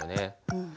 うん。